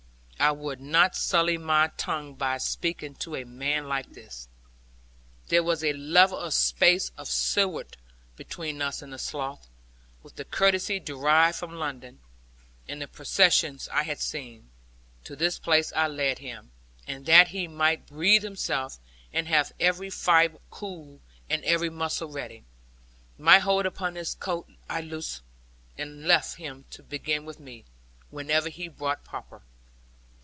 I would not sully my tongue by speaking to a man like this. There was a level space of sward between us and the slough. With the courtesy derived from London, and the processions I had seen, to this place I led him. And that he might breathe himself, and have every fibre cool, and every muscle ready, my hold upon his coat I loosed, and left him to begin with me, whenever he thought proper.